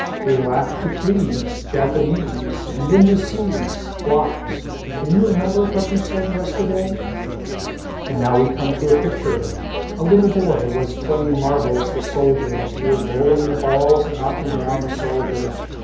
We laugh to please. Japanese. And then to seize. Blocks. Can you remember what you said yesterday. And now we come to a picture. A little boy was playing marbles with soldiers, he was rolling the balls and knocking down the soldiers.